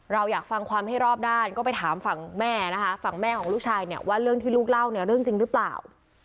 เราอยากฟังความให้รอบด้านก็ไปถามฝั่งแม่นะคะฝั่งแม่ของลูกชายเนี่ยว่าเรื่องที่ลูกเล่าเนี่ยเรื่องจริงหรือเปล่า